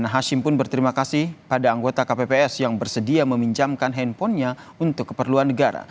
hashim pun berterima kasih pada anggota kpps yang bersedia meminjamkan handphonenya untuk keperluan negara